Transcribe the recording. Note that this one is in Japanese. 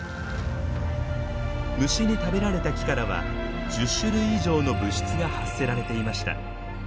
虫に食べられた木からは１０種類以上の物質が発せられていました。